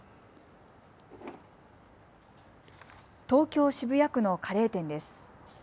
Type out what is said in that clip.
東京渋谷区のカレー店です。